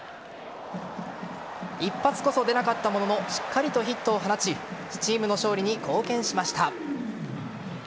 一発こそ出なかったもののしっかりとヒットを放ちチームの勝利に貢献しました。